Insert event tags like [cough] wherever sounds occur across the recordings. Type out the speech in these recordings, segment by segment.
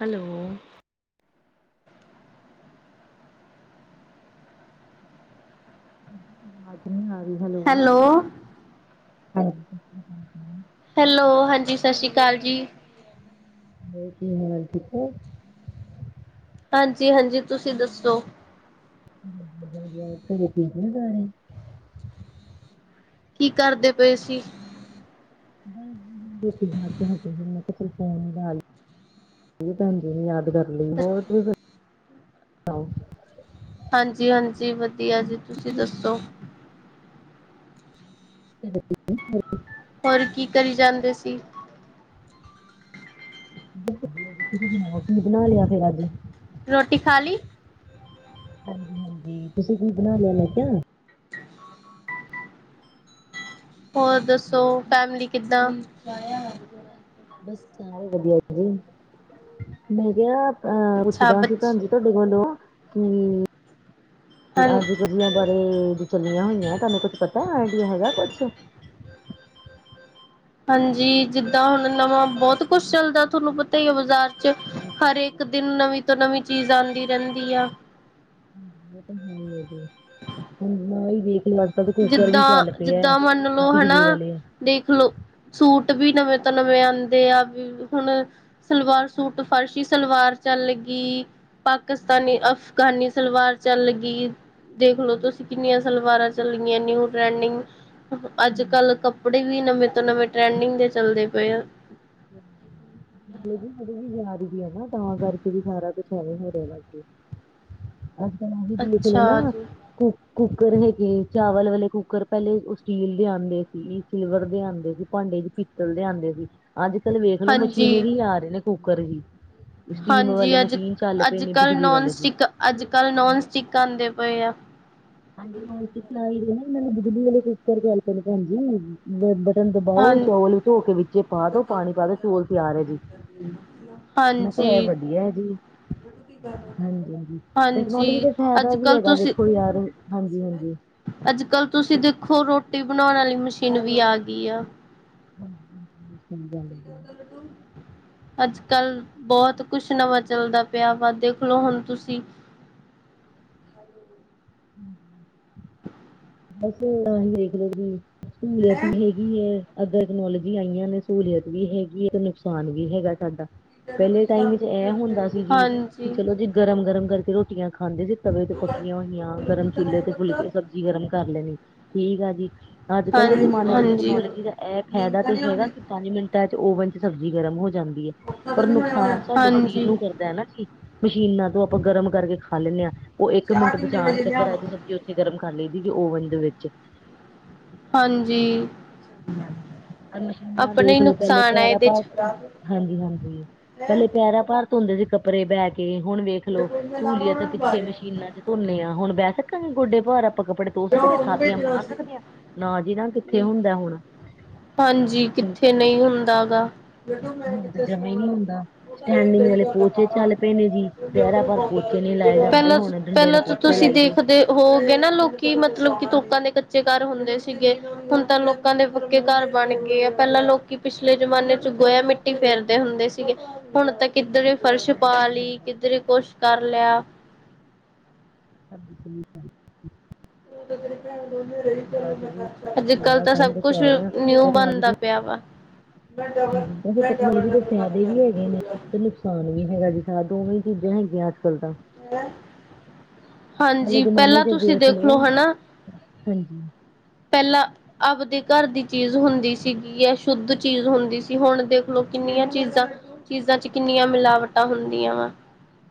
Hello ਵਾਜ਼ ਨਹੀਂ ਆ ਰਹੀ ਹੈਲੋ [unintelligible] ਹੈਲੋ, ਹਾਂਜੀ ਸਸ ਸ਼੍ਰੀ ਕਾਲ ਜੀ। [unintelligible] ਹਾਂਜੀ-ਹਾਂਜੀ, ਤੁਸੀਂ ਦੱਸੋ? [unintelligible] ਕੀ ਕਰਦੇ ਪਏ ਸੀ। ਬੱਸ ਜੀ ਰੋਟੀ ਬਣਾ ਕੇ ਹੱਟੇ ਸੀ, ਮੈਂ ਕਿਹਾ ਚੱਲ ਫੋਨ ਮਿਲਾ ਲਾ। ਭੈਣਜੀ ਨੇ ਯਾਦ ਕਰ ਲਈ, ਬ [unintelligible] ਹਾਂਜੀ-ਹਾਂਜੀ, ਵਧੀਆ ਜੀ ਤੁਸੀਂ ਦੱਸੋ? ਹ [unintelligible] [inaudible] ਹੋਰ ਕੀ ਕਰੀ ਜਾਂਦੇ ਸੀ। ਵਧੀਆ ਜੀ, ਤੁਸੀਂ ਸੁਣਾਉ ਬਣਾ ਲਿਆ ਫਿਰ ਅੱਜ? ਰੋਟੀ ਖਾ ਲੀ? ਹਾਂਜੀ-ਹਾਂਜੀ, ਤੁਸੀਂ ਕੀ ਬਣਾ ਲਿਆ ਮੈਂ ਕਿਹਾ? ਹੋਰ ਦੱਸੋ ਫੈਮਲੀ ਕਿੱਦਾਂ? ਬਸ ਸਾਰੇ ਵਧੀਆ ਜੀ, ਮੈਂ ਕਿਹਾ ਅ ਅੱਛਾ ਪੁੱਛਦਾ ਸੀ ਬੱਚ ਭੈਣ ਜੀ ਤੁਹਾਡੇ ਕੋਲੋਂ ਕੀ ਹਾਂ ਅੱਜ ਬਾਰੇ ਚੱਲੀਆਂ ਹੋਈਆਂ, ਤੁਹਾਨੂੰ ਕੁੱਛ ਪਤਾ ਆਈਡੀਆ ਹੈਗਾ ਕੁਛ। ਹਾਂਜੀ, ਜਿੱਦਾਂ ਹੁਣ ਨਵਾਂ ਬਹੁਤ ਕੁਛ ਚੱਲਦਾ ਤੁਹਾਨੂੰ ਪਤਾ ਹੀ ਹੈ ਬਾਜ਼ਾਰ ਚ ਹਰੇਕ ਦਿਨ ਨਵੀਂ ਤੋਂ ਨਵੀਂ ਚੀਜ਼ ਆਂਦੀ ਰਹਿੰਦੀ ਆ। [unintelligible] ਦੇਖ ਲੱਗਦਾ ਤੇ ਕੁ ਜਿੱਦਾਂ, ਜਿੱਦਾਂ ਮੰਨ ਲੋ ਹਨਾ ਵਾਲੇ ਦੇਖਲੋ ਸੂਟ ਵੀ ਨਵੇਂ ਤੋਂ ਨਵੇਂ ਆਉਂਦੇ ਆ ਵੀ ਹੁਣ ਸਲਵਾਰ ਸੂਟ ਫਰਸ਼ੀ ਸਲਵਾਰ ਚੱਲ ਗੀ। ਪਾਕਿਸਤਾਨੀ, ਅਫਗਾਨੀ ਸਲਵਾਰ ਚੱਲ ਗਈ ਦੇਖਲੋ ਤੁਸੀਂ ਕਿੰਨੀਆਂ ਸਲਵਾਰਾਂ ਚੱਲੀਆਂ ਨਿਊ ਟਰੈਂਡਿੰਗ ਅੱਜ ਹਾਂਜੀ ਕੱਲ ਕੱ ਕੱਪੜੇ ਵੀ ਨਵੇਂ ਤੋਂ ਨਵੇਂ ਟਰੈਂਡਿੰਗ ਦੇ ਚੱਲਦੇ ਪਏ ਆ। [inaudible] ਵੀ ਯਾਦ ਵੀ ਹੈ ਨਾ ਤਾਂ ਕਰਕੇ ਵੀ ਸਾਰਾ ਕੁਛ ਐਵੇਂ ਹੋ ਰਿਹਾ ਵਸ ਅਜ ਕੱਲ ਉਹ ਵੀ ਦੇਖ ਲੇ ਅੱਛਾ ਨਾ ਜੀ ਕੁ ਕੁੱਕਰ ਨੇ ਕੀ ਚਾਵਲ ਵਾਲੇ ਕੁੱਕਰ ਪਹਿਲੇ ਸਟੀਲ ਦੇ ਆਦੇ ਸੀ ਸਿਲਵਰ ਦੇ ਆਦੇ ਸੀ ਭਾਂਡੇ ਵਿੱਚ ਪੀਤਲ ਦੇ ਆਦੇ ਸੀ ਅੱਜ ਕੱਲ ਵੇਖ ਲੋ ਹਾਂਜੀ ਮਸ਼ੀਨਰੀ ਆ ਰਹੇ ਨੇ ਕੁੂੱਕਰ ਵੀ। ਸਟੀਮ ਵਾਲੇ ਹਾਂਜੀ ਅੱਜ ਮਸ਼ੀਨ ਚੱਲ ਪਏ ਅੱਜ ਨੇ ਕੱਲ੍ਹ ਬਿਜਲੀ ਨੋਨ ਵਾਲੇ ਜੇ। ਸਟਿਕ ਅੱਜ ਕੱਲ੍ਹ ਨੋਨ ਸਟਿਕ ਆਂਦੇ ਪਏ ਆ। ਹਾਂਜੀ ਨੋਟ ਸਟਿਕ [unintelligible] ਬਿਜਲੀ ਆਲੇ ਕੂਕਰ ਚੱਲ ਪਏ ਨੇ ਭੈਣਜੀ। ਬਟਨ ਹਾਂ ਦਬਾਓ ਚੌਲ ਧੋ ਕੇ ਵਿੱਚ ਪਾ ਦੋ, ਪਾਣੀ ਪਾ ਦੋ ਚੋਲ ਤਿਆਰ ਹੈ ਜੀ। ਮੈਂ ਕਿਹਾ ਇਹ ਹਾਂਜੀ ਵਧੀਆ ਹੈ ਜੀ। ਹਾਂਜੀ ਹਾਂਜੀ-ਹਾਂਜੀ ਹਾਂਜੀ, ਟੈਕਨੋਲੋਜੀ ਦਾ ਫਾਇਦਾ ਵੀ ਅੱਜ-ਕੱਲ ਹੈਗਾ ਦੇਖੋ ਯਾਰ ਹਾਂਜੀ-ਹਾਂਜੀ। ਅੱਜ ਕੱਲ ਤੁਸੀਂ ਦੇਖੋ ਰੋਟੀ ਬਣਾਉਣ ਵਾਲੀ ਮਸ਼ੀਨ ਵੀ ਆ ਗਈ ਆ। ਸਹੀ ਗੱਲ ਕੀ ਹੈ ਜੀ ਕਰਦਾ ਤੂੰ ਅੱਜ-ਕੱਲ ਬਹੁਤ ਕੁਛ ਨਵਾਂ ਚੱਲਦਾ ਪਿਆ ਵਾ ਦੇਖਲੋ ਹੁਣ, ਤੁਸੀਂ ਹ ਬਸ ਨਾ ਹੀ ਦੇਖ ਲੋ ਜ ਸਹੂਲੀਅਤ ਵੀ ਹੈਗੀ ਅੱਗਰ ਤਕਨੋਲੋਜੀ ਆਈਆਂ ਨੇ ਸਹੂਲੀਅਤ ਵੀ ਹੈਗੀ ਹੈ ਤੇ, ਨੁਕਸਾਨ ਵੀ ਹੈਗਾ ਸਾਡਾ ਪਹਿਲੇ ਹਾਂਜੀ, ਟਾਈਮ ਵਿੱਚ ਇਹ ਹੁੰਦਾ ਸੀ ਜੀ ਹਾਂ ਕਿ ਚਲੋ ਜੇ ਗਰਮ ਗਰਮ ਕਰਕੇ ਰੋਟੀਆਂ ਖਾਂਦੇ ਸੀ, ਤਵੇ ਤੇ ਪੱਕੀਆਂ ਹੋਈਆਂ ਗਰਮ ਚੁੱਲੇ ਤੇ ਫੁਲਕੇ ਜੀ ਗਰਮ ਕਰ ਲੈਣੀ ਠੀਕ ਆ ਜੀ ਅੱਜ ਕੱਲ੍ਹ ਦੇ ਜਮਾਨੇ ਚ ਹਾਂਜੀ। ਹਾਂਜੀ, ਟੈਕਨੋਲੋਜੀ ਦਾ ਐਪ ਹੈਗਾ ਤੇ ਹੈਗਾ ਪੰਜ ਮਿੰਟਾਂ ਚ ਓਵਨ ਚ ਸਬਜ਼ੀ ਗਰਮ ਹੋ ਜਾਂਦੀ ਹੈ ਪਰ ਨੁਕਸਾਨ ਸਾਡੇ ਸਰੀਰ ਨੂੰ ਕਰਦਾ ਹੈ। ਮਸ਼ੀਨਾਂ ਤੋਂ ਆਪਾਂ ਗਰਮ ਕਰਕੇ ਖਾ ਲੈਂਨਦੇ ਹਾਂ, ਉਹ ਇੱਕ ਮਿੰਟ ਬਚਾਉਣ ਚੱਕਰ ਆ ਤੇ ਉੱਥੇ ਗਰਮ ਕਰ ਲਈ ਦੀ ਓਵਨ ਦੇ ਵਿੱਚ ਹਾਂਜੀ ਹ ਪਰ ਮਸ਼ੀਨਾਂ ਆਪਣੇ ਹੀ ਦੇਖ ਲਓ ਪਹਿਲੇ ਨੁਕਸਾਨ ਆ ਪੈਰਾ ਇਹਦੇ ਬਰ ਹਾਂਜੀ ਹਾਂਜੀ ਪਹਿਲੇ ਪਿਆਰਾਂ ਭਰ ਧੁੰਦੇ ਸੀ ਕੱਪੜੇ ਬੈ ਕੇ ਹੁਣ ਵੇਖਲੋ ਸਹੂਲੀਅਤ ਪਿੱਛੇ ਮਸ਼ੀਨਾਂ ਚ ਧੁੰਨੇ ਆ ਹੁਣ ਬਹਿ ਸਕਾਂਗੇ ਗੋਡੇ ਭਹਾਰ ਆਪਾਂ ਕਪੜੇ ਤੋ ਸਕਦੇ ਥਾਪੀਆਂ ਮਾਰ ਸਕਦੇ ਹਾਂ ਨਾ ਜਿਹ ਨਾ ਕਿੱਥੇ ਚ। ਹੁੰਦਾ ਹੁਣ ਹਾਂਜੀ ਹੁਣ ਕਿੱਥੇ ਨਹੀਂ ਹੁੰਦਾ ਗਾ ਬਡੂ ਮੈਂ ਤਾਂ ਕਿੱਥੇ ਜਮਾ ਹੀ ਨਹੀਂ ਸਵਾਣਾ ਹੁੰਦਾ ਉਹਦਾ ਸਟੈਂਡਿੰਗ ਗਈ ਵਾਲੇ ਤੁਹ ਪੋਚੇ ਚੱਲ ਪਏ ਨੇ ਜੀ ਪੈਰਾਂ ਪਰ ਪੋਚੇ ਨਹੀਂ ਲਾਏ ਜਾਂਦੇ ਹੁਣ ਡੰਡੇ ਪਹਿਲਾਂ ਨਾਲ ਤਾਂ ਪੋਚੇ ਤੁਸੀਂ ਲਾਈ ਦੋ ਦੇਖਦੇ ਹੋਗੇਏ ਨਾ ਲੋਕਿ ਕੀ ਮਤਲਬ ਕਿ ਲੋਕਾਂ ਦੇ ਕੱਚੇ ਘਰ ਹੁੰਦੇ ਸੀਗੇ ਹੁਣ ਤਾਂ ਲੋਕਾਂ ਦੇ ਪੱਕੇ ਘਰ ਬਣ ਬਸ ਗਏ ਆ, ਪਹਿਲਾਂ ਲੋਕੀ ਪਿਛਲੇ ਜਮਾਨੇ ਚ, ਗੋਇਆ ਮਿੱਟੀ ਫੇਰਦੇ ਹੁੰਦੇ ਸੀਗੇ, ਹੁਣ ਤਾਂ ਕਿੱਧਰੇ ਫਰਸ਼ ਪਾ ਲਈ ਕਿੱਧਰੇ ਕੁਛ ਕਰ ਲਿਆ [inaudible] ਜੀ ਅੱਜ ਕਲ ਤਾਂ ਸਬ ਹੀ ਕੁਛ ਕਹਿ ਰਹੇ ਆ ਨਿਊ ਟੈਕਨੋਲੋਜੀ ਬਣਦਾ ਪਿਆ ਵਾਂ ਵੈਸੇ ਟੈਕਨੋਲੋਜੀ ਦੇ ਫਾਇਦੇ ਵੀ ਹੈਗੇ ਨੇ ਤੇ ਨੁਕਸਾਨ ਵੀ ਹੈਗਾ ਜੀ ਦੋਵੇਂ ਚੀਜ਼ਾਂ ਹੈਗੀਆਂ ਅੱਜ-ਕੱਲ੍ਹ ਤਾਂ ਪਹਿਲੇ ਹਾਂਜੀ ਜਮਾਨੇ ਪਹਿਲਾਂ ਚ ਤੁਸੀਂ ਵੇਖ ਦੇਖਲੋ ਲੋ ਹਨਾ ਹਾਂਜੀ ਪਹਿਲਾਂ ਆਪਦੇ ਘਰ ਦੀ ਚੀਜ਼ ਹੁੰਦੀ ਸੀਗੀ ਹੈ ਸ਼ੁੱਧ ਚੀਜ਼ ਹੁੰਦੀ ਸੀ ਹੁਣ ਦੇਖ ਲਓ ਕਿੰਨੀਆਂ ਚੀਜ਼ਾਂ ਚੀਜ਼ਾਂ ਚ ਕਿੰਨੀਆਂ ਮਿਲਾਵਟਾਂ ਹੁੰਦੀਆਂ ਵਾ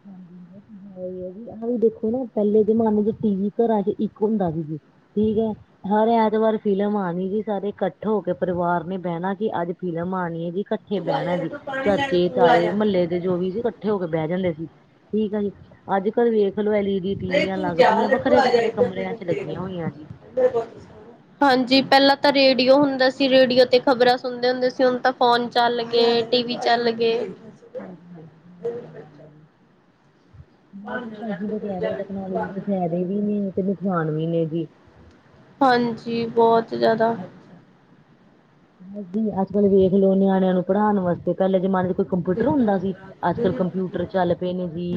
ਹਾਂਜੀ ਹੈ ਜੀ ਆਹ ਵੀ ਦੇਖੋ ਨਾ ਪਹਿਲੇ ਜਮਾਨੇ ਚ ਟੀ-ਵੀ ਘਰਾਂ ਚ ਇੱਕ ਹੁੰਦਾ ਸੀ ਠੀਕ ਏ ਹਰ ਐਤਵਾਰ ਫ਼ਿਲਮ ਆਣੀ ਜੀ ਸਾਰੇ ਇਕੱਠ ਹੋ ਕੇ ਪਰਿਵਾਰ ਨੇ ਬਹਿਣਾ ਕਿ ਅੱਜ ਫਿਲਮ ਆਣੀ ਹੈ ਜੀ ਇਕੱਠ ਇਕੱਠੇ ਬਹਿਣਾ ਜੀ, ਚਾਚੇ, ਤਾਏ ਮੁਹੱਲੇ ਦੇ ਜੋ ਵੀ ਸੀ, ਇਕੱਠੇ ਹੋ ਕੇ ਬਹਿ ਜਾਂਦੇ ਸੀ। ਠੀਕ ਆ ਜੀ, ਅੱਜ ਕੱਲ੍ਹ ਵੇਖ ਲੋ ਐਲ -ਈ -ਡੀ। ਟੀਵੀਆਂ ਲੱਗ ਪਈਆਂ, ਵੱਖਰੇ- ਵੱਖਰੇ ਕਮਰਿਆਂ ਚ ਲੱਗੀਆਂ ਹੋਈਆਂ ਜੀ। ਹਾਂਜੀ ਪਹਿਲਾਂ ਤਾਂ ਰੇਡੀਓ ਹੁੰਦਾ ਸੀ ਰੇਡੀਓ ਤੇ ਖ਼ਬਰਾਂ ਸੁਣਦੇ ਹੁੰਦੇ ਸੀ ਹੁਣ ਤਾਂ ਫੋਨ ਚੱਲ ਗਏ ਟੀਵੀ ਚੱਲ ਗਏ ਹਾਂਜੀ ਹਾਂਜੀ ਗ ਤਾਂ ਅਸੀਂ ਤਾਂ ਕਹਿ ਰਹੇ ਹਾਂ ਟੈਕਨੋਲੋਜੀ ਦੇ ਫਾਇਦੇ ਵੀ ਨ ਤੇ ਨੁਕਸਾਨ ਵੀ ਨੇ ਜੀ, ਹਾਂਜੀ ਬਹੁਤ ਜ਼ਿਆਦਾ ਹਾਂਜੀ ਅੱਜ ਕੱਲ ਵੇਖ ਲੋ ਨਿਆਣਿਆਂ ਨੂੰ ਪੜ੍ਹਾਉਣ ਵਾਸਤੇ ਪਹਿਲੇ ਜਮਾਨੇ ਚ ਕੰਪਿਊਟਰ ਹੁੰਦਾ ਸੀ, ਅੱਜ-ਕੱਲ ਕੰਪਿ ਟਰ ਚੱਲ ਪਏ ਨੇ ਜੀ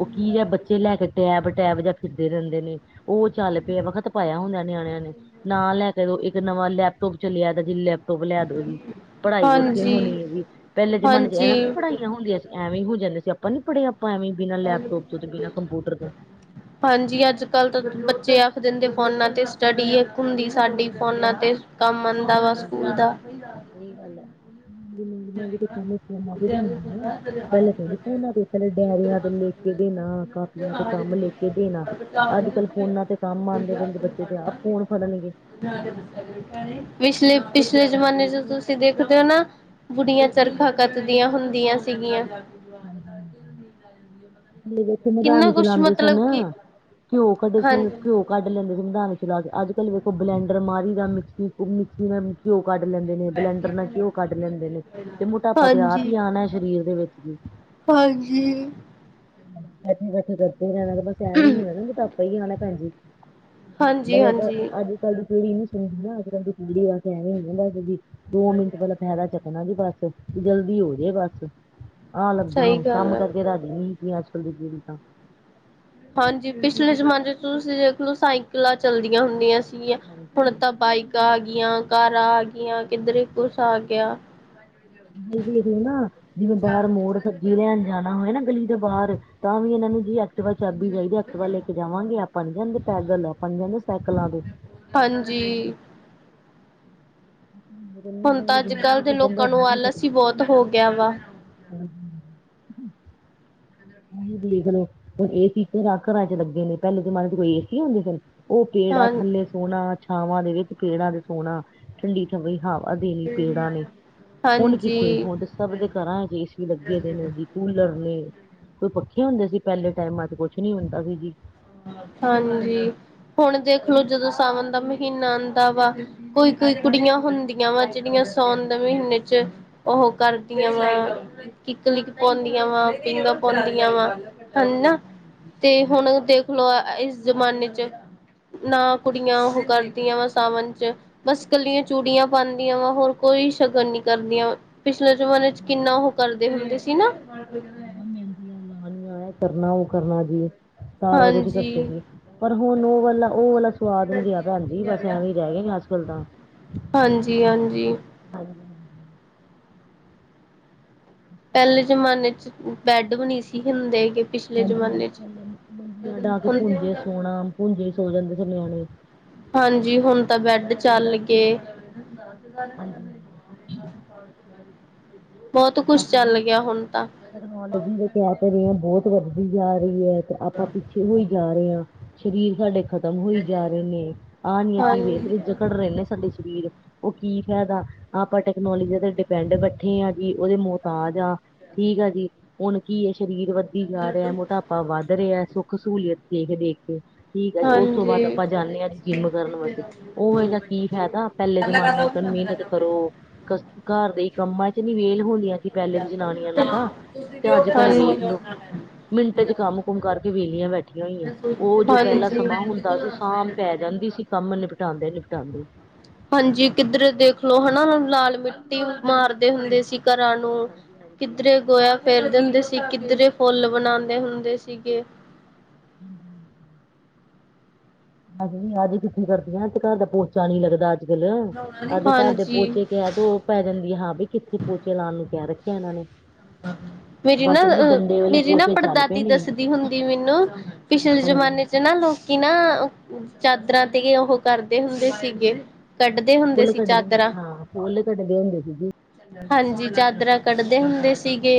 ਉਹ ਕੀ ਜ ਬੱਚੇ ਲੈ ਕੇ ਟੈਬ ਟੈਬ ਜਾਂ ਫਿਰਦੇ ਰਹਿੰਦੇ ਨੇ, ਉਹ ਚੱਲ ਪਿਆ ਵਖਤ ਪਾਇਆ ਹੁੰਦਾ ਨਿਆਣਿਆਂ ਨੇ, ਨਾ ਲੈ ਕੇ ਦੇਵੋ, ਇੱਕ ਨਵਾਂ ਲੈਪਟੋਪ ਚਲਿਆ ਜ ਲੈ ਲਿਆ ਦੋ ਜੀ ਪੜ੍ਹਾਈ ਉੱਥੇ ਹਾਂਜੀ ਹੋਣੀ ਹੈ ਜੀ, ਪਹਿਲੇ ਜਮਾਨੇ ਚ ਹਾਂਜੀ ਐਵੇਂ ਕੋਈ ਪੜ੍ਹਾਈ ਹੁੰਦੀਆਂ ਸੀ, ਐਵੇ ਹੀ ਹੋ ਜਾਂਦੇ ਸੀ, ਆਪਾਂ ਨੀ ਪੜ੍ਹੇ ਆਪਾਂ, ਐਵੇਂ ਬਿਨਾਂ ਲੈਪਟੋਪ ਤੋਂ, ਤੇ ਬਿਨਾਂ ਕੰਪਿਊਟਰ ਤੋਂ ਹਾਂਜੀ, ਅੱਜ ਕੱਲ੍ਹ ਤਾਂ ਬੱਚੇ ਆਖ ਦਿੰਦੇ, ਫੋਨਾਂ ਤੇ ਸਟੱਡੀ ਇੱਕ ਹੁੰਦੀ, ਸਾਡੀ ਫੋਨਾਂ ਤੇ ਕੰਮ ਆਉਂਦਾ ਵਾ, ਤੋਂ ਸਕੂਲ ਦਾ। ਸਹੀ ਗੱਲ ਹੈ। ਸਾਨੂੰ ਫੋਨ ਵੀ ਦੇਣਾ ਪਹਿਲਾਂ ਕਹਿੰਦੇ, ਫੋਨਾ ਤੇ ਪਹਿਲ੍ ਡਾਇਰੀਆਂ ਤੋਂ ਲੈ ਕੇ ਦੇਣਾ ਕਾ ਤੇ ਕੰਮ ਲੈਕੇ ਦੇਣਾ, ਅੱਜ ਕੱਲ੍ਹ ਫੋਨਾਂ ਤੇ ਕੰਮ ਨੇ ਆਉਂਦੇ ਬੱਚੇ ਤੇ ਆਹ ਫੋਨ ਫੜਨਗੇ ਪਿਛਲੇ- ਪਿਛਲੇ, ਜਮਾਨੇ ਚ ਤੁਸੀਂ ਦੇਖਦੇ ਹੋ ਨਾ ਬੁੜੀਆਂ, ਚਰਖਾ ਕੱਤਦੀਆਂ ਹੁੰਦੀਆਂ ਸੀਗੀਆਂ। ਹਾਂਜੀ -ਹਾਂਜੀ। ਜਿਹੜਾ ਇੱਥੇ ਮਦਾਨੀ ਕਿੰਨਾ ਕੁਛ ਚਲਾਉਂਦੇ ਸਨ, ਮਤਲਬ ਕਿ ਘਿਓ ਕੱਢਦੇ ਦੇ ਹਾਂ ਸਨ, ਘਿਓ। ਕੱਢ ਲੈਂਦੇ, ਸੰਵਿਧਾਨ ਚਲਾ ਕੇ ਅੱਜ- ਕੱਲ ਵੇਖੋ, ਬਲੈਂਡਰ ਮਾਰੀ ਦਾ ਮਿਕਸੀ, ਮਿਕਸੀ ਦਾ ਘਿਓ ਕੱਢ ਲੈਂਦੇ। ਨੇ ਬਲੈਂਡਰ ਨਾਲ ਘਿਓ ਕੱਢ ਲੈਂਦੇ ਨੇ, ਤੇ ਮੋਟਾਪਾ ਤੇ ਆਪ ਹਾਂਜੀ ਹੀ ਆਉਣਾ ਸਰੀਰ ਦੇ ਵਿੱਚ ਵੀ ਹਾਂਜੀ। ਬੈਠੇ -ਬੈਠੇ, ਕਰਦੇ ਰਹਿਣਾ ਤਾਂ ਬਸ ਐਣਾ ਹੀ ਹੋਣਾ ਨਾ ਕੁ ਤਾਂ ਆਪਾਂ ਹੀ ਜਾਣਾ,, ਭੈਣ ਜੀ। ਹਾਂਜੀ ਆਪਾਂ ਹਾਂਜੀ ਅੱਜ ਕੱਲ ਦੀ ਪੀੜੀ ਨੀ ਸੁਣੀਦੀ ਨਾ, ਅੱਜ ਕੱਲ ਦੀ ਪੀੜੀਦੇ ਵਸ ਐਂ ਨਹੀਂ ਕਹਿੰਦਾ ਅੱ ਕ ਦੋ ਮਿੰਟ ਪਹਿਲਾਂ ਫਾਇਦਾ ਚੱਕਣਾ ਜੀ, ਬਸ ਜਲਦੀ ਹੋ ਜੇ ਬਸ ਆ ਲੱਗਦੀ ਸਹੀ ਆਂ, ਗੱਲ ਕੰਮ ਹੈ ਕਰਕੇ ਰਾਜੀ ਹੀ ਨਹੀਂ, ਹੈਗੀ, ਅੱਜ ਕੱਲ ਦੀ ਪੀੜੀ ਤਾਂ ਹਾਂਜੀ, ਪਿਛਲੇ ਜ਼ਮਾਨੇ ਚ ਤੁਸੀਂ ਦੇਖ ਲਉ, ਸਾਈਕਲਾਂ ਚਲਦੀਆਂ ਹੁੰਦੀਆਂ ਸੀ। ਹਾਂਜੀ ਹੁਣ ਹਾਂਜੀ ਤਾਂ ਬਾਈਕਾ, ਆ ਗਈਆਂ ਕਾਰਾਂ ਆ ਗਈਆਂ ਸਹੀ ਕਿੱਧਰੇ ਕੁਛ ਆ ਗ ਗਿਆ। ਆ ਵੀ ਇਹ ਨਾ, ਜਿਵੇਂ ਬਾਹਰ ਮੋੜ ਸਬਜ਼ੀ ਲੈਣ ਜਾਣਾ ਹੋਇਆ ਨਾ, ਗਲੀ ਦੇ ਬਾਹਰ ਤਾਂ ਵੀ ਇਹਨਾਂ ਨੂੰ ਜੀ ਐਕਟਿਵਾ ਚਾਬੀ ਚਾਹੀਦੀ, ਐਕਟਵ ਲੈ ਕੇ ਜਾਵਾਂਗੇ ਆਪਾਂ ਨਹੀਂ ਜਾਂਦੇ ਪੈਦਲ, ਆਪਾਂ ਨਹੀਂ ਜਾਂਦੇ ਸਾਈਕਲਾਂ ਤੇ। ਹਾਂਜੀ। ਹਮ ਗਰਮੀ ਹੁਣ ਤਾਂ ਬਣ ਅੱਜ ਗਈ ਕੱਲ੍ਹ ਹੈ ਦੇ ਕਿ ਬੰਦਾ ਲੋਕਾਂ ਨੂੰ, ਰਹਿ ਆਲਸ ਹੀ ਬਹੁਤ ਹੋ ਗਿਆ ਵਾ। ਹਮ। ਆ ਵੀ ਦੇਖ ਲਉ, ਹੁਣ ਏਸੀ ਘਰਾਂ -ਘਰਾਂ ਚ ਲੱਗੇ ਨੇ, ਪਹਿਲੇ ਜਮਾਨੇ ਚ ਕੋਈ ਏਸੀ ਹੁੰਦੇ ਸੀ? ਉਹ ਪੇੜਾ ਹਾਂ ਥੱਲੇ ਸੋਣਾ ਛਾਵਾਂ ਦੇ ਵਿੱਚ ਪੇੜਾਂ ਦੇ ਸੋਣਾ। ਠੰਡੀ -ਠੰਡੀ, ਹਵਾ ਦੇਨੀ ਪੇੜਾਂ ਨੇ। ਹੁਣ ਕਿੱਥੇ, ਹਾਂਜੀ ਹੁਣ ਤੇ ਸਭ ਦੇ ਘਰਾਂ ਚ ਏਸੀ ਲੱਗੇ ਦੇ ਨੇ। ਕੂਲਰ ਨੇ, ਕੋਈ ਪੱਖੇ ਹੁੰਦੇ ਸੀ, ਪਹਿਲੇ ਟਾਈਮਾਂ ਚ ਕੁਛ ਨੀ ਹੁੰਦਾ ਸੀ ਜੀ। ਹਾਂਜੀ, ਹੁਣ ਦੇਖ ਲਉ ਜਦੋਂ ਸਾਵਣ ਦਾ ਮਹੀਨਾ ਆਉਂਦਾ ਵਾ। ਕੋਈ- ਕੋਈ, ਕੁੜੀਆਂ ਹੁੰਦੀਆਂ ਵਾ ਜਿਹੜੀਆਂ, ਸਾਉਣ ਦੇ ਮਹੀਨੇ ਚ ਉਹ ਕਰਦੀਆਂ ਵਾ? ਕਿੱਕ-ਲਿੱਕ ਪਾਉਂਦੀਆਂ ਵਾ। ਪੀਗਾਂ ਹਾਂਜੀ ਪਾਉਂਦੀਆਂ ਵਾ ਹਾਂਜੀ ਹੈਨਾ ਹਾਂਜੀ ਹਾਂਜੀ ਤੇ ਹੁਣ ਦੇਖ। ਖਲੋ ਇਸ ਜ਼ਮਾਨੇ 'ਚ ਨਾ ਕੁੜੀਆਂ ਉਹੋ ਕਰਦੀਆਂ ਸਾਵਨ 'ਚ। ਬਸ ਕਲੀਆਂ ਚੂੜੀਆਂ ਪਾਉਂਦੀਆਂ ਵਾ ਹੋਰ ਕੋਈ ਸ਼ਗਨ ਨੀ ਕਰਦੀਆਂ। ਪਿਛਲੇ ਜਮਾਨੇ ਚ ਕਿੰਨਾ, ਉਹ ਕਰਦੇ ਹੁੰਦੇ ਸੀ ਨਾ। ਹਾਂ, ਮਹਿੰਦੀਆਂ ਲਾਲੀਆਂ ਇਹ ਕਰਨਾ, ਉਹ ਕਰਨਾ ਜੀ, ਸਾਰਾ ਕੁਛ ਕਰਦੇ ਹਾਂਜੀ ਸੀ। ਪਰ ਹੁਣ ਉਹ ਵਾਲਾ, ਉਹ ਵਾਲਾ ਸਵਾਦ ਨੀ ਰਿਹਾ ਭੈਣ ਜੀ, ਬਸ ਐਵੇਂ ਰਹਿ ਗੇਨੇ ਅੱਜ ਕੱਲ ਤਾਂ। ਹਾਂਜੀ-ਹਾਂਜੀ। ਹਾਂਜੀ ਪਹਿਲੇ ਜਮਾਨੇ ਚ ਬੈਂਡ ਵੀ ਨਹੀਂ ਸੀ, ਹੁੰਦੇਗੇ। ਹਾਂਜੀ- ਹਾਂਜੀ। ਥੱਲੇ ਮੰਜੀਆਂ ਡਾਹ ਕੇ ਹੁਣ ਭੂੰਜੇ ਸੋਣਾ, ਭੂੰਜੇ ਹੀ ਸੌ ਜਾਂਦੇ ਸੀ ਨਿਆਣੇ। ਹਾਂਜੀ। ਹੁਣ ਤਾਂ ਬੈਡ ਚੱਲ ਗੇ। ਹਾਂਜੀ ਹਾਂਜੀ ਬਹੁਤ ਕੁਛ, ਚੱਲ ਗਿਆ ਹੁਣ ਤਾਂ। ਤੈਕਨੋਲੋਜੀ ਕਿਹ ਤਾਂ ਰਹੇ ਹੈ, ਬਹੁਤ ਵੱਧਦੀ ਜਾ ਰਹੀ ਹੈ ਤੇ ਆਪਾਂ ਪਿੱਛੇ। ਹੋਈ ਜਾ ਰਹੇ ਹਾਂ ਸਰੀਰ ਸਾਡੇ ਖ਼ਤਮ ਹੋਈ ਜਾ ਰਹੇ ਨੇ ਆਹ ਨੀ ਅਸੀਂ ਹਾਂਜੀ ਵੇਖਦੇ। ਅਕੜ ਰਹੇ ਨੇ ਸਾਡੇ ਸਰੀਰ ਉਹ ਕੀ ਫਾਇਦਾ ਆਪਾਂ ਟੈਕਨੋਲੋਜੀ ਤੇ ਡਿਪੈਂਡ ਬੈਠੇ ਹ। ਵੀ ਉਹਦੇ ਮੌਹਤਾਜ ਆ ਠੀਕ ਆ ਜੀ, ਹੁਣ ਕੀ ਹੈ ਸਰੀਰ ਵਰਗੀ। ਵੱਧਦੀ ਜਾ ਰਿਹਾ, ਮੋਟਾਪਾ ਵੱਧ ਰਿਹਾ ਸੁੱਖ ਸਹੂਲੀਅਤ ਦੇਖ-ਦੇਖ ਕੇ। ਠੀਕ ਹੈ ਜੀ, ਉਸ ਤੋਂ ਬਾਅਦ ਹਾਂਜੀ। ਆਪਾਂ ਜਾਂਦੇ ਹਾਂ ਜੀ ਜਿੰਮ ਕਰਨ ਵਾਸਤੇ ਉਹ ਦਾ ਕੀ ਫਾਇਦਾ। ਪਹਿਲੇ ਜਮਾਨੇ ਉਹਂਦੇ ਮਿਹਨਤ ਕਰੋ ਘਰ ਦੇ ਕੰਮਾਂ 'ਚ ਨੀ ਵੇਲ ਹੋਣੀ ਅਸੀਂ। ਪਹਿਲੇ ਦੀ ਜਨਾਨੀਆਂ ਨੂੰ ਤਾਂ, ਤੇ ਅੱਜ-ਕੱਲ ਵੇਖ ਲੋ। ਮਿੰਟ ਚ ਕੰਮ-ਕੁਮ ਕਰਕੇ ਵੇਲੀਆਂ ਬੈਠੀਆਂ ਹੋਈਆਂ ਉਹ ਜੋ ਪਹਿਲਾਂ ਹਾਂਜੀ। ਸਮਾਂ ਹੁੰਦਾ ਸੀ ਸਾਂਮ ਪੈ ਜਾਂਦੀ ਸੀ। ਕੰਮ ਨਿਪਟਾਦੇ-ਨਿਪਟਾਦੇ। ਹਾਂਜੀ, ਕਿੱਧਰ ਦੇਖਲੋ ਹੈਨਾ, ਲਾਲ ਮਿੱਟੀ ਮਾਰਦੇ ਹੁੰਦੇ ਸੀ। ਘਰਾਂ ਨੂੰ ਹਾਂਜੀ ਹਾਂਜੀ। ਕਿੱਧਰੇ ਗੋਇਆ ਫੇਰਦੇ ਹੁੰਦੇ ਸੀ, ਕਿੱਧਰੇ ਫੁੱਲ ਬਣਾਉਂਦੇ ਹੁੰਦੇ ਸੀਗੇ। ਹੂੰ-ਹੂੰ। ਹਜੇ ਨੀ ਅੱਜ ਕਿੱਥੇ ਦੁਖੀ ਕਰਦੀ ਆ ਅੱਜ ਤਾਂ ਘਰ ਦਾ ਪੋਚਾ ਨੀ ਲੱਗਦਾ। ਅੱਜਗਲ ਅੱਜ ਘਰ ਦੇ ਹਾਂਜੀ ਪੋਚੇ ਕਹਿ ਦੋ ਪੈ ਜਾਂਦੀ ਹੈ ਹਾਂ ਬਈ ਕਿੱਥੇ ਪਹੁੰਚ ਲਾਉਣ ਨੂੰ ਕਹਿ ਰੱਖਿਆ ਇਹਨਾਂ ਨੇ। ਮੇਰੇ ਨਾ ਬਸ ਜੀ ਅ। ਡੰਡੇ ਵਾਲੇ ਮੇਰੀ ਨਾ ਪੋਚੇ ਚੱਲ ਪਏ ਪੜਦਾਦੀ ਨੇ ਦੱਸਦੀ ਹੁੰਦੀ ਮੈਨੂੰ ਪਿਛਲੇ ਜਮਾਨੇ ਹਾਂਜੀ। ਚ ਨਾ ਲੋਕ। ਕਿ ਨਾ ਚਾਦਰਾਂ ਤੇ ਉਹੋ ਕਰਦੇ ਹੁੰਦੇ ਸੀਗੇ। ਕੱਢਦੇ ਹੁੰਦੇ ਬੁੱਲ ਸੀ ਕੱਢਦੇ ਹੁੰ, ਚਾਦਰਾਂ ਹਾਂ ਬੁੱਲ ਕੱਢਣੇ ਹੁੰਦੇ ਸੀਗੇ। ਹਾਂਜੀ, ਚਾਦਰਾਂ ਕੱਢਦੇ ਹੁੰਦੇ ਸੀਗੇ।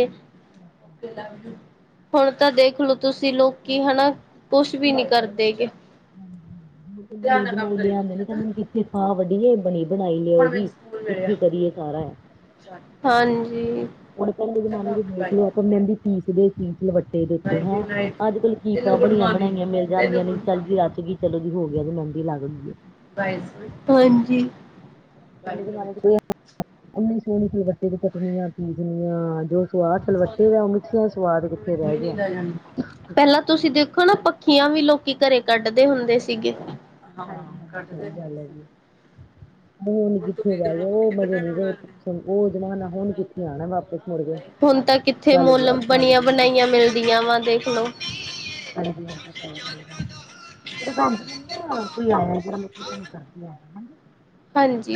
ਹੁਣ ਤਾਂ ਦੇਖਲਓ, ਤੁਸੀਂ ਲੋਕੀ ਹੈਣਾ ਕੁਛ ਵੀ ਨਹੀਂ ਕਰਦੇ ਗੇ। ਹੂੰ-ਹੂੰ, ਉੱਤੋਂ ਬਣੀ ਬਣਾਈ ਲਿਆਂਦੇ ਨੀ ਕਹਿੰਦੇ ਕਿੱਥੇ ਫਾਹ ਵੱਢੀਏ ਬਣੀ ਬਣਾਈ ਲਓ ਜੀ, ਇੱਥੇ ਕਰੀਏ ਸਾਰਾ ਇਹ। ਹਾਂਜੀ, ਪਹਿਲੇ ਜ਼ਮਾਨੇ ਚਲੋ 'ਚ ਉਠ ਦੇਖ ਬਾਈ। ਲਓ ਮਹਿੰਦੀ ਪੀਸ ਦੇ ਸੀ ਸਿਲਵੱਟੇ ਦੇ ਉੱਤੇ ਹੈਂ, ਅੱਜ-ਕੱਲ੍ਹ ਕੀਪਾਂ ਬਣੀਆਂ -ਬਣਾਈਆਂ ਮਿਲ ਜਾਂਦੀਆਂ ਨੇ। ਚੱਲ ਰਚ ਗਈ ਚਲੋ ਜੀ ਹੋ ਗਿਆ, ਉਹਦੀ ਮਹਿੰਦੀ ਲੱਗ ਗਈਏ। ਹਾਂਜੀ। ਪਹਿਲੇ ਜਮਾਨੇ 'ਚ ਈਨੀ ਸੋਹਣੀ ਸਿਲਵੱਟੇ ਚਟਣੀਆਂ ਪੀਸ ਨਿਆ ਜੋ ਸਵਾਦ ਸਿਲ ਵੱਟੇ ਦਾ ਉਹ ਮਿੱਕਸਿਆ ਸਵਾਦ ਕਿੱਥੇ ਰਹਿ ਗਿਆ। ਪਹਿਲਾਂ ਤੁਸੀਂ ਦੇਖੋ ਨਾ ਪੱਖੀਆਂ ਵੀ ਲੋਕੀ ਘਰੇ ਕੱਢਦੇ ਹੁੰਦੇ ਸੀਗੇ। ਹਾਂਜੀ-ਹਾਂਜੀ, ਸਹੀ ਗੱਲ ਹੈ ਜੀ। ਹੁਣ ਕਿੱਥੇ ਰਹਿ ਗਿਆ, ਉਹ ਮਜੇ ਨੀ ਰਹੇ, ਉਹ ਜਮਾਨਾ ਹੁਣ ਕਿੱਥੇ ਆਣਾ ਵਾਪਿਸ ਮੁੜ ਕੇ। ਹੁਣ ਤਾਂ ਕਿੱਥੇ ਚੱਲ ਮੁਲ ਗਿਆ ਚੱਲ ਬਣੀਆਂ- ਗਿਆ ਬਣਾਈਆਂ ਮਿਲਦੀਆਂ ਵਾ ਦੇਖਲੋ। ਹਾਂਜੀ-ਹਾਂਜੀ, ਸਹੀ ਗੱਲ ਹੈ। ਚਲੋ ਭੈਣ ਜੀ ਲਗੱਦਾ ਕੋਈ ਆਇਆ ਹੈ? ਜਿਹੜਾ ਮਤਲਬ ਤੁਹਾਨੂੰ ਕਰਦੀ ਹੈ ਹਾਂਜੀ। ਹਾਂਜੀ,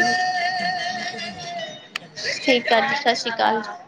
ਠੀਕ ਹੈ ਭੈਣ ਜੀ ਸਤਿ ਸ਼੍ਰੀ ਅਕਾਲ ਜੀ ਠੀਕ ਆ ਜੀ ਸਤਿ ਸ੍ਰੀ ਅਕਾਲ ਜੀ।